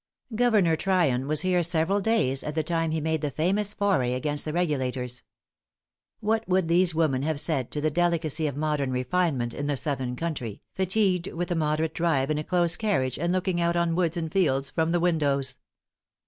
Governor Tryon was here several days, at the time he made the famous foray against the Regulators. What would these women have said to the delicacy of modern refinement in the southern country, fatigued with a moderate drive in a close carriage, and looking out on woods and fields from the windows!